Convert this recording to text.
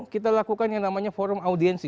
kita lakukan yang namanya forum audiensi